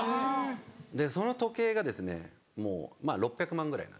でその時計がもうまぁ６００万ぐらいなんですね。